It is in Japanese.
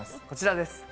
こちらです。